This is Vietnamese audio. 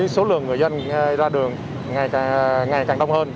số lượng người dân ra đường ngày càng đông hơn